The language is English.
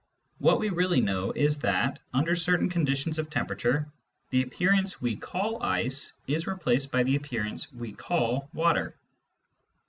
What we really know is that, under certain conditions of temperature, the appearance we call ice is replaced by the appearance we call water.